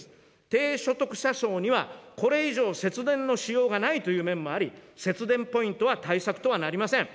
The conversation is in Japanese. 低所得者層には、これ以上節電のしようがないという面もあり、節電ポイントは対策とはなりません。